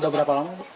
udah berapa lama